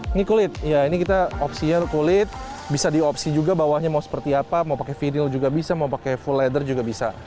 ini kulit ya ini kita opsinya kulit bisa diopsi juga bawahnya mau seperti apa mau pakai video juga bisa mau pakai full leather juga bisa